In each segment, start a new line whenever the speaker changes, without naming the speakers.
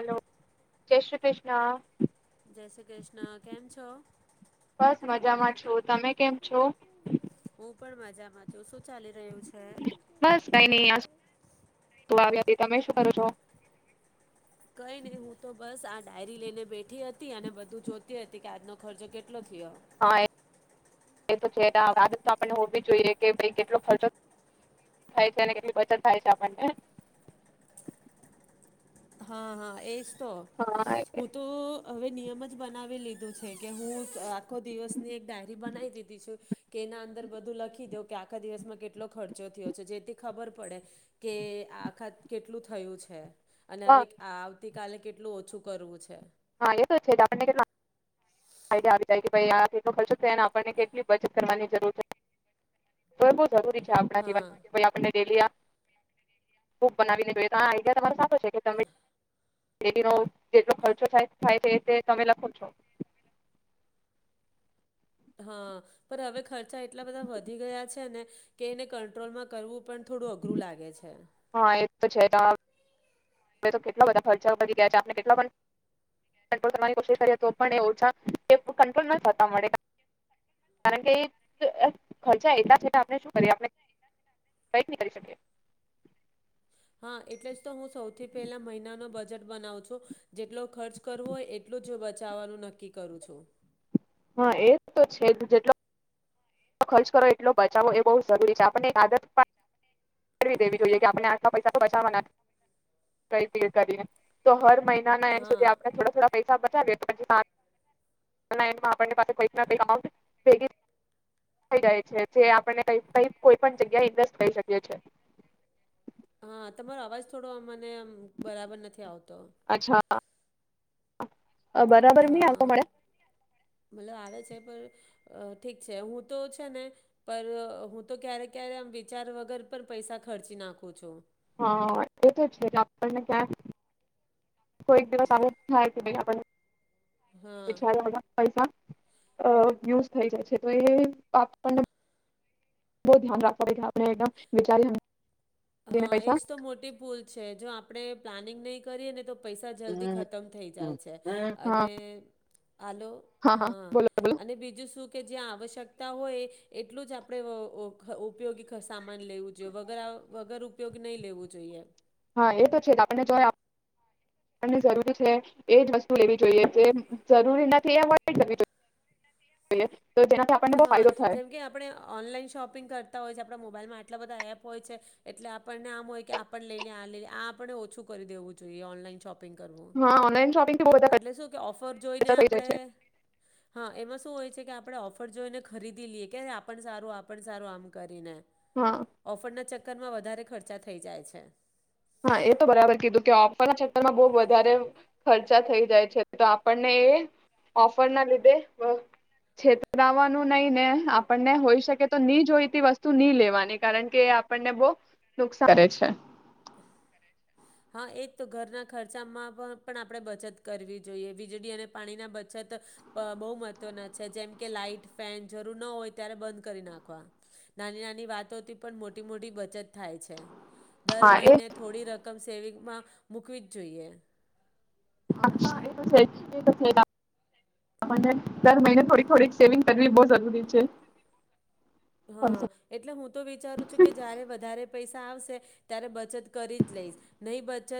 Hello, જય શ્રી કૃષ્ણ,
જય શ્રી કૃષ્ણ કેમ છો?
બસ મજામાં છું. તમે કેમ છો?
હું પણ મજામાં છુ શું ચાલી રહ્યો છે.
બસ કઈ નહી. હતી તમે શું કરો છો?
કઈ નહી હું તો બસ આ ડાયરી લઈને બેઠી હતી અને, બધું જોતી હતી કે આજનો ખર્ચો કેટલો થયો?
હા એતો છે આદત તો આપણી હો વી જાઓયે ભઈ કેટલો ખર્ચો થાય, છે અને કેટલી બચત થાય છે આપણેને
હા હા એ તો
હા એ
હું તો હવે નિયમ જ બનાવી લીધું છે, કે હું. આખો દિવસ ની એક ડાયરી બનાવી દીધી છું, કે એના અંદર બધું લખી દો કે, આખા દિવસમાં કેટલો ખર્ચો થયો છે, જેથી ખબર પડે કે આખા કેટલું થયું છે. અને
હા
હવે આવતી કાલે કેટલું ઓછું કરવું છે
હા એ તો છે આપણને કેટલા આઈડિયા આવી જાય કે ભાઈ આ કેટલો ખશેો તો એને આપણને કેટલી બચત કરવાની જરૂર છે તો જરૂરી છે આપણા
હા
જીવનમાં કે ભઈ આપને ડેલી બુક બનાવી ને જોયે આ આઈડિયા તમારો સારો છે કે તમે એનો જેટલો ખર્ચો થાય થાએ છે તે તમે લખો છો
હા પણ હવે ખર્ચા એટલા બધા વધી ગયા છે ને કે એને કંટ્રોલમાં કરવું પણ થોડું અઘરું લાગે છે
હા એ તો છે તો કેટલા બધા ખર્ચા વધી ગયા છે આપણે કેટલો પણ કંટ્રોલ કરવાની કોશિશ કરીયે તો પણ એ ઓછા તે કંટ્રોલ નત થતા મળે કારણ કે ખર્ચા એટલા છે ને આપડે શુ કરીયે આપણે કય નહીં કરી શકીયે
હા એટલે જ તો હું સૌથી પહેલા મહિનાનો બજેટ બનાવ છુ જેટલો ખર્ચ કરવો હોય એટલું જ બચાવવાનું નક્કી કરું છું
હા એજ તો છે જેટલો ખર્ચ કરો એટલો બચાવો એ બહુ જરૂરી છે આપને એક આદતવી દેવી જોઈએ કે આપણે આખા પૈસા તો બચાવવાના કઈ ભી કરીને તો હર મહિને ના એમ સુધી આપણે
હા
થોડા થોડા [unintelligible] થઈ જાય છે જે આપને ક ક કોઈ પણ જગ્યા ઇન્વેસ્ટ કરી શકીએ છે
હા તમારો અવાજ થોડો મને આમ બરાબર નથી આવતો
અચ્છા બરાબર નહી આવતો
હા
મળે
મતલબ આવે છે પણ અ ઠીક છે હું તો છે ને પર હું તો ક્યારેક ક્યારે આમ વિચાર વગર પણ પૈસા ખર્ચી નાખું છું
હા એ તો છેટલે આપણને ક્યાં કોઈક દિવસ આવ થાય કે ભઈ આપને
હા
[unintelligible] પૈસા અ યુઝ થઈ જાય છે તો એ આપપને બહુ ધ્યાન રાખવા આપને એકદમ વિચારે
હા એજ તો મોટી ભૂલ છે જો આપણેે પ્લાનિંગ નહીં કરીએ ને તો પૈસા જલ્દી ખતમ થઈ જાય છે
હા
અને આલો હા અને બીજું શું? કે જ્યા આવશ્યકતા હોય એટલું જ આપણે અ ઉપયોગી કસા માં માની લેવું જોયે વગર વગર ઉપયોગ નહી લેવું જોઈએ.
હા એ તો છે આપને જો જરૂર છે એજ વસ્તુ લેવી જોઈએ જે જરૂરી નથી એ ની લેવી જોઈએ. તો જેનાથી આપણને બહુ
હા
ફાયદો થાય
જેમકે આપણે ઓનલાઈન શોપિંગ કરતા હોય આપણા મોબાઈલમાં આટલા બધા એપ હોય છે એટલે આપણને આમ હોય કે આપ લઈ લએ લઈ લએ આ આપણે ઓછું કરી દેવું જોઈએ ઓનલાઈન શોપિ
હા ઓનલાઈન શોપિંગ
એટલે શું કે ઓફર જોઈને આપણે હા એમ એમાં શું હોય છે કે આપડે ઓફર જોઈને ખરીદી લઈએ કે આપણ સારું આપણ સારું આમ કરીને
હા
ઓફરના ચક [unintelligible] માં વધારે ખર્ચા થઈ જાય છે.
હા એ તો બરાબર કીધું કે ઓફરના ચક્કર માં બો વધારે ખર્ચા થઈ જાય છે, તો આપણને એ ઓફર ના લીધે છેતરાવાનું નહી ને આપણને હોઈ શકે તો ની જોઈતી વસ્તુ નહી લેવાની કારણ કે એ આપણને બો નુકસાન જ છે.
હા એ તો ઘરના ખર્ચામાં પણ પણ આપણે બચત કરવી જોઈએ. વીજળી અને પાણી ના બચત બહુ મહત્વના છે જેમ કે લાઈટ, ફેન જરૂર ન હોય ત્યારે બંધ કરી નાખવા. નાની નાની વાતોથી પણ મોટી મોટી બચત થાય છે. દર
હા એ
મહિને થોડી રકમ સેવિંગમાં મૂકવી જ જોઈએ.
હા એ તો છે એ તો છે. દર મહિને થોડીક થોડીક સેવિંગ કરવી બો જરૂરી છે
હા એટલે હું તો વિચારું છું કે જારે વધારે પૈસા આવસે ત્યારે બચત કરી જ લઈશ નહી બચત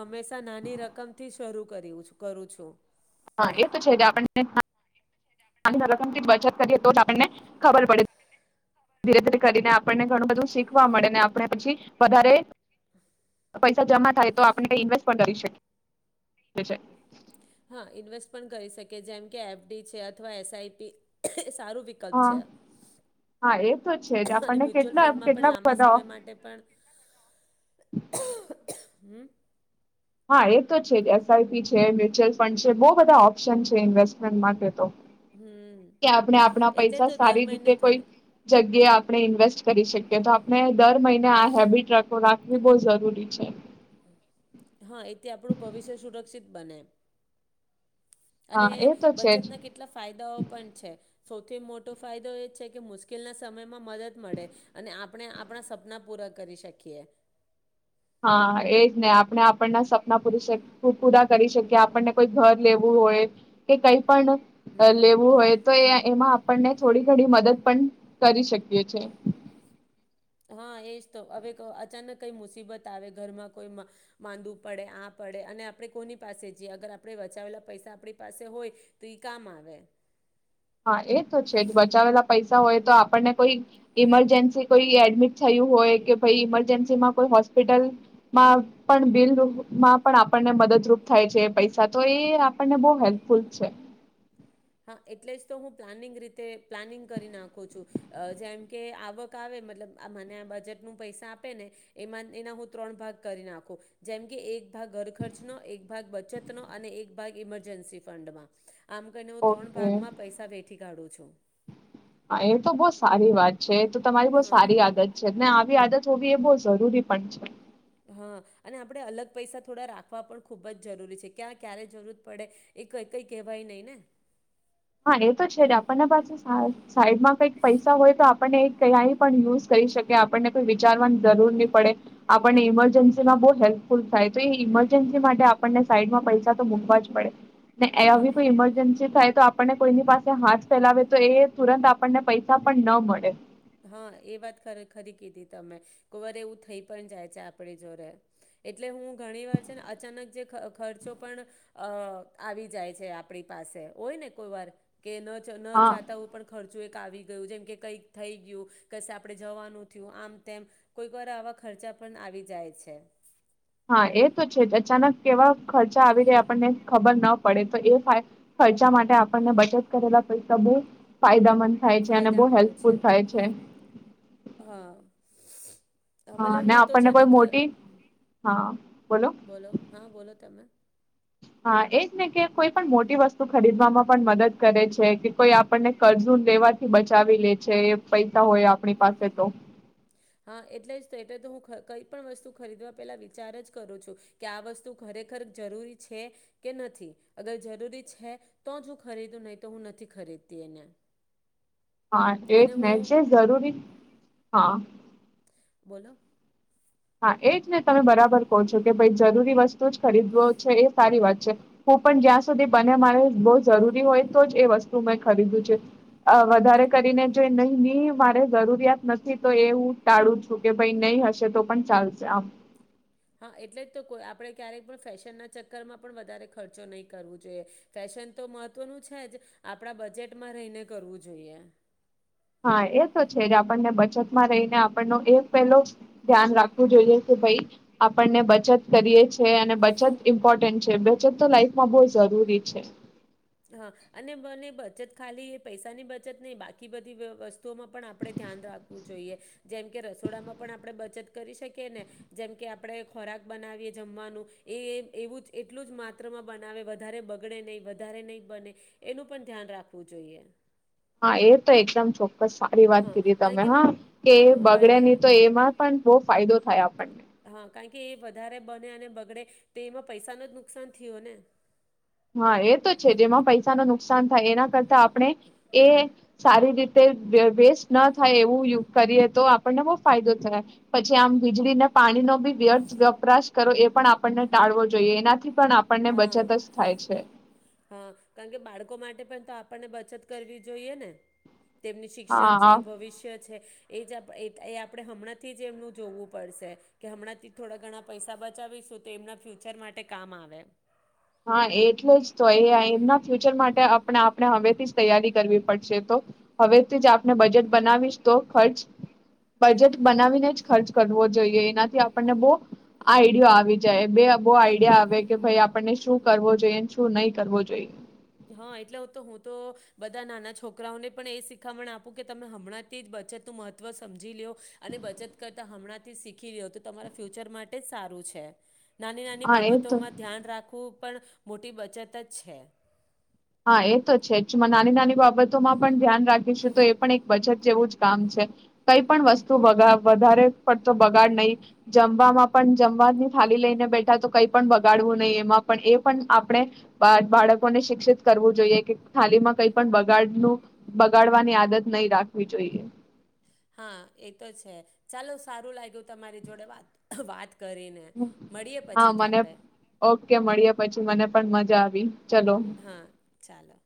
હંમેશા નાની રકમથી શરૂ કરયુ કરું છું.
હા એ તો છે જ આપણ ને અને રકમ ની બચત કરયે તો જ આપણને ખબર પડે. ધીરે ધીરે કરીને આપણને ઘણું બધું શીખવા મળે ને આપણે પછી વધારે પૈસા જમા થાય તો આપણે કઈ ઇન્વેસ્ટ પણ કરી શકીએ છે.
હા ઇન્વેસ્ટ પણ કરી શકયે જેમ કે એફ ડી છે અથવા એસ આઈ પી. એ સારું વિકલ્પ
હા
છે
હા એ તો છે જ
અને
આપણને
મ્યુચ્યુઅલ
કેટલા
ફંડમાં પણ
કેટલા
લાંબા
બધા
સમય માટે પણ હમમ
હા એ તો છે જ એસ આઈ પી છે, મ્યુચ્યુઅલ ફંડ છે. બો બધા ઓપ્શન છે ઇન્વેસ્ટમેન્ટ માટે તો.
હમ
કે આપણે આપણા
એટલે
પૈસા
તો દર
સારી
મહિને
રીતે કોઈ
થોડી
જગ્યાએ આપણે ઇન્વેસ્ટ કરી શકીએ
હમ
તો આપણે દર મહિને આ હેબિટ રાખો રાખ બો જરૂરી છે.
હા એથી આપણું ભવિષ્ય સુરક્ષિત બને. અને
હા એ તો છે જ
બચતના કેટલા ફાયદાઓ પણ છે. સો સૌથી મોટો ફાયદો એ છે કે મુશ્કેલના સમયમાં મદદ મળે અને આપણે આપણા સપના પૂરા કરી શકીએ.
હાં એજ ને, આપણે આપણના સપના પૂરી પૂરા કરી શકીએ આપણને કોઈ ઘર લેવું હોય કે કઈ પણ લેવું હોય તો એ એમાં આપ આપણને થોડી ઘડી મદદ પણ કરી શકીએ છે.
હાં એજ તો અવે અચાનક કંઈ મુસીબત આવે ઘરમાં, કોઈ માંદું પડે, આ પડે અને આપણે કોની પાસે જીએ અગર આપણે બચાવેલા પૈસા આપણી પાસે હોય તો ઈ કામ આવે.
હા, એ તો છે જ, બચાવેલા પૈસા હોય તો આપણને કોઈ ઇમરજન્સી કોઈ એડ ડમિટ થયું હોય કે ભઈ ઈમરજન્સીમાં કોઈ હોસ્પિટલમાં પણ બિલ રૂમાં પણ આપણને મદદરૂપ થાય છે પૈસા, તો એ આપણને બઉ હેલ્પફુલ છે.
હા એટલે જ તો હું પ્લાનિંગ રીતે પ્લાનિંગ કરી નાખું છું, જેમ કે આવક આવે મતલબ મને આ બજેટનું પૈસા આપે ને એમાં એના હું ત્રણ ભાગ કરી નાખું જેમ કે એક ભાગ ઘર ખર્ચનો એક ભાગ બચતનો અને એક ભાગ ઈમરજન્સી ફંડમાં, આમ કરીને હું
ઓ
ત્રણ
કે
ભાગમાં પૈસા વેઠી કાઢું છું હા.
એ તો બઉ સારી વાત છે, તો તમારી બઉ સારી આદત છે ને આવી આદત હોવી એ બઉ જરૂરી પણ છે.
હા અને આપણે અલગ પૈસા થોડા રાખવા પણ ખૂબ જ જરૂરી છે, ક્યાં ક્યારે જરૂર પડે એ ક કંઈ કહેવાય નહીં ને.
હાં એ તો છે જ આપણને પાસે સાઈડ સાઈડમાં કંઈક પૈસા હોય તો આપ આપણને એ ક્યાંય પણ યુઝ કરી શકે આપણને કોઈ વિચારવાની જરૂર ની પડે, આપણને ઈમરજન્સીમાં બઉ હેલ્પફુલ થાય, તો એ ઇમરજન્સી માટે આપણને સાઈડમાં પૈસા તો મૂકવા જ પડે. ને
હા.
એવી કોઈ ઇમરજન્સી થાય તો આપ આપણને કોઈની પાસે હાથ ફેલાવે તો એ તુરંત આપણને પૈસા પણ ન મળે.
હા એ વાત ખરેખરી કીધી તમે કોઈ વાર એવું થઈ પણ જાય છે આપડી જોડે એટલે હું ઘણી વાર છે ને અચાનક જે ખ ખર્ચો પણ અ આવી જાય છે, આપણી પાસે હોય ને કોઈ વાર કે ન ચ ન
હા
ચાતા ઉ પણ ખર એક આવી ગયું જેમ કે કંઈક થઈ ગયું કસે આપડે જવાનું થયું આમ તેમ કોઈક વાર આવા ખર્ચા પણ આવી જાય છે.
હા એ તો છે જ, અચાનક એવા ખર્ચા આવી જાય આપણને ખબર ન પડે તો એવુ થાય, ખર્ચા માટે આપણને બચત કરેલા પૈસા બઉ ફાયદાામંદ થાય છે અને બઉ
ફાયદામાં આવે
હેલ્પફુલ
ત્યારે મદદરૂપ
થાય છે.
હા
હા
મતલબ
ને
હું તો છે
આપણને
ને
કોઈ
ખ
મોટી
બોલો, હાં, બોલો તમે.
હા એજ ને કે કોઈ પણ મોટી વસ્તુ ખરીદવામાં પણ મદદ કરે છે કે કોઈ આપણને કરજુ લેવાથી બચાવી લે છે એ પૈ વતા હોય આપણી પાસે તો
હાં એટલે જ તો એટલે તો હું કંઈ પણ વસ્તુ ખરીદવા પહેલાં વિચાર જ કરું છું કે આ વસ્તુ ખરેખર જરૂરી છે કે નથી, અગર જરૂરી છે તો જ હું ખરીદું નઈ તો હું નથી ખરીદતી એને
હા એક
અને હું
[unintelligible] છે ઝરૂરી હાં.
બોલો.
હા એ જ ને તમે બરાબર કહો છો કે ભઈ જરૂરી વસ્તુ જ ખરીદવો છે એ સારી વાત છે, હું પણ જ્યાં સુધી બને મારે બઉ જરૂરી હોય તો જ એ વસ્તુ મેં ખરીદ્યું છે અ વધારે કરીને જો એ નહી ની મારે જરૂરિયાત નથી તો એ હું ટાળું છું કે ભઈ નઈ હશે તો પણ ચાલશે આમ
હા એટલે જ તો કોઈ આપણે ક્યારેક પણ ફેશનના ચક્કરમાં પણ વધારે ખર્ચો નઈ કરવો જોઈએ, ફેશન તો મહત્વનું છે જ આપણા બજેટમાં રહીને કરવું જોઈએ.
હા એ તો છે જ, આપણને બચતમાં રહીને આપણનો એ પેલો જ ધ્યાન રાખવું જોઈએ કે ભઈ આપણને બચત કરીએ છે અને બચત ઇમ્પોર્ટન્ટ છે, બચત તો લાઈફમાં બઉ જરૂરી છે.
હા અને મને બચત ખાલી એ પૈસાની બચત નહી બાકી બધી વસ્તુઓમાં પણ આપણેે ધ્યાન રાખવું જોઈએ. જેમ કે રસોડામાં પણ આપણે બચત કરી શકી ને, જેમ કે આપણે ખોરાક બનાવીએ જમવાનું એ એવું એટલુંજ માત્રમાં બનાવે વધારે બગડે નહી વધારે નહી બને, એનું પણ ધ્યાન રાખવું જોઈએ.
હા, એતો એકદમ છો સારી વાત
હા
કીધી
કારણ
તમે
કે
હા, કે
હા કારણ
બગડે
કે
ની તો એમાં પણ બહ ફાયદો થાય આપ
હા, કારણકે એ વધારે બને અને બગડે તો એમાં પૈસા નોજ નુકસાન થયો ને
હા, એતો છે, જેમાં પૈસા ન નુકસાન થાય એના કરતા આપણે એ સારી રીતે વેસ્ટ ન થાય એવું કરીએ તો આપણને બહુ ફાયદો થાય, પછી આમ વીજળી ને પાણી નો બી વ્યર્થ વપરાશ કરો એ પણ આપણને ટાળવો જોઈએ, એનાથી પણ આપણને
હા
બચત [unintelligible]
હા, કારણકે બાળકો માટે પણ તો આપણને બચત કરવી જોઈએ ને? તેમની શિક્ષણ છે,
હા
ભવિષ્ય છે, એજ આપણે હમણાંથી જ એમનું જોવું પડશે કે હમણાંથી થોડા ઘણા પૈસા બચાવીશું તો એમના ફ્યુચર માટે કામ આવે
હા, એટલેજ તો એ એમના ફ્યુચર માટે આપણે આપણે હવેથી જ તૈયારી કરવી પડશે, તો હવેથી જ આપણે બજેટ બનાવીશ તો ખર્ચ બજેટ બનાવીને જ ખર્ચ કરવો જોઈએ, એનાથી આપણને બહ આઈડયો આવી જાય. બે અહ બો આઈડિયા આવે કે ભાઈ શું કરવો જોઈએ ને શું નઈ કરવો જોઈએ.
હા, એટલે તો હું તો બધા નાના છોકરાઓને પણ એ શીખામણ આપું કે તમે હમણાંથી જ બચતનું મહત્વ સમજી લો્યો અને બચત કરતા હમણાંથી જ શીખી લો, તો તમારા ફ્યુચર માટે જ સારું છે. નાની નાની
હા એ તો
બાબતોમાં ધ્યાન રાખવું પણ મોટી બચતજ છે.
હા, એતો છે, જ નાની નાની બાબતોમાં પણ ધ્યાન રાખીશું તો એ પણ એક બચત જેવું જ કામ છે. કઈ પણ વસ્તુ વધારે પડતો બગાડ નઈ, જમવામાં પણ જમવાની થાલી લઈને બેઠા તો કઈ પણ બગાડવું નઈ, એમાં પણ એ પણ આપણે બાળકોને શિક્ષિત કરવું જોઈએ કે થાલી માં કઈ પણ બગાડનું, બગાડવાની આદત નહી રાખવી જોઈએ.
હા, એતો છે. ચાલો સારું લાગ્યું તમારી જોડે વાત વાત કરીને મળીએ
હા,
પછી તો
મને
આપણે
ઓકે મળીએ પછી, મને પણ મજા આ વી
હા, ચાલો.